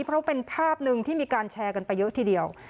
เพราะเป็นภาพหนึ่งที่มีการแชร์กันไปเยอะทีเดียว